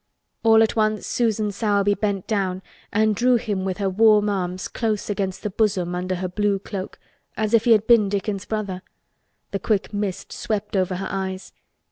All at once Susan Sowerby bent down and drew him with her warm arms close against the bosom under the blue cloak—as if he had been Dickon's brother. The quick mist swept over her eyes.